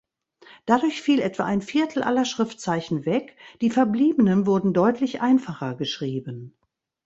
Dadurch fiel etwa ein Viertel aller Schriftzeichen weg; die verbliebenen wurden deutlich einfacher geschrieben.